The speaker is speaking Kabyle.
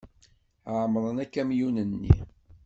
Ԑemmren akamyun-nni.